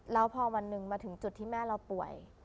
แล้วพอวันหนึ่งมาถึงจุดที่แม่เราป่วย